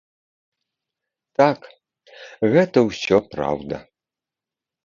Так, гэта ўсё праўда.